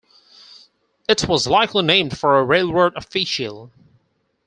It was likely named for a railroad official.